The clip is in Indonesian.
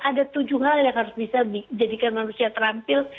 ada tujuh hal yang harus bisa jadikan manusia terampil